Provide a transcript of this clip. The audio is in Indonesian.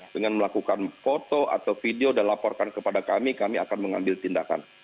dengan melakukan foto atau video dan laporkan kepada kami kami akan mengambil tindakan